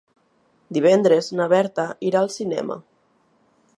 Divendres na Berta irà al cinema.